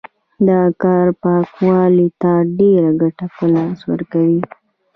دا کار پانګوال ته ډېره ګټه په لاس ورکوي